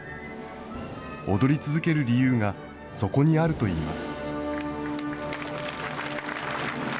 踊り続ける理由が、そこにあるといいます。